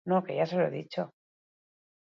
Bestalde, oraindik daude sarrerak salgai.